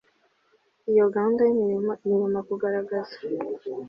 Iyo gahunda y imirimo igomba kugaragaza